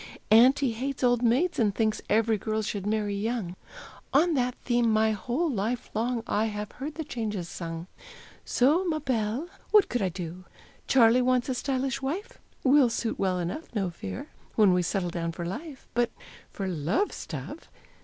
Auntie hates old maids, and thinks Every girl should marry young On that theme my whole life long I have heard the changes sung. So, ma belle, what could I do? Charley wants a stylish wife. We'll suit well enough, no fear, When we settle down for life. But for love stuff!